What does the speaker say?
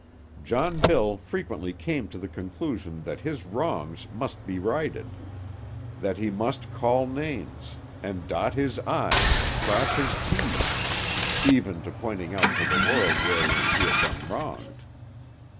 John Bill frequently came to the conclusion that his wrongs must be righted; that he must call names, and dot his i's and cross his t's, even to pointing out to the world wherein he had been wronged.